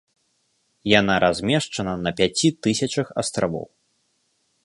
Яна размешчана на пяці тысячах астравоў.